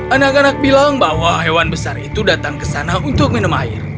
anak anak bilang bahwa hewan besar itu datang ke sana untuk minum air